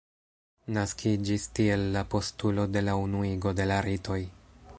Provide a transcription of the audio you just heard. Naskiĝis tiel la postulo de la unuigo de la ritoj.